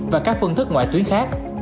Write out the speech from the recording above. và các phương thức ngoại tuyến khác